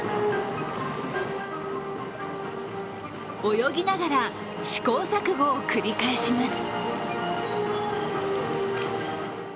泳ぎながら試行錯誤を繰り返します。